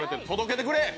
届けてくれ！